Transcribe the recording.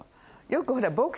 よくほら。